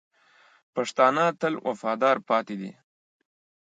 پښتانه تل وفادار پاتې دي.